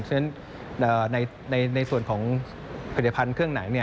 ฉะนั้นในส่วนของผลิตภัณฑ์เครื่องไหน